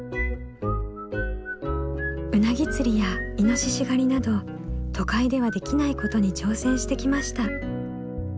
ウナギ釣りやイノシシ狩りなど都会ではできないことに挑戦してきました。